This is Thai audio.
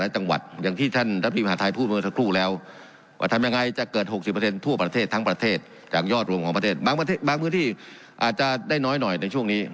จากยอดรวมของประเทศบางพื้นที่อาจจะได้น้อยหน่อยในช่วงนี้